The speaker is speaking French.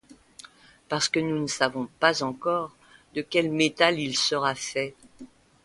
Parce que nous ne savons pas encore de quel métal il sera fait.